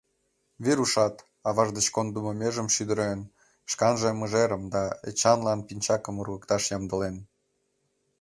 Верушат, аваж деч кондымо межым шӱдырен, шканже мыжерым да Эчанлан пинчакым ургыкташ ямдылен.